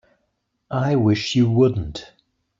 I wish you wouldn't.